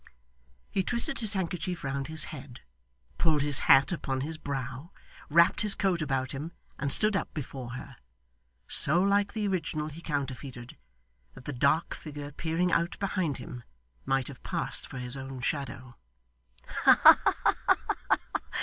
He twisted his handkerchief round his head, pulled his hat upon his brow, wrapped his coat about him, and stood up before her: so like the original he counterfeited, that the dark figure peering out behind him might have passed for his own shadow. 'Ha ha ha!